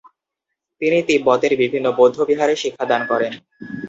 তিনি তিব্বতের বিভিন্ন বৌদ্ধবিহারে শিক্ষাদান করেন।